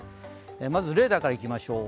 まずレーダーからいきましょう。